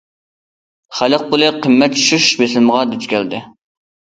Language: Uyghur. خەلق پۇلى قىممەت چۈشۈش بېسىمىغا دۇچ كەلدى.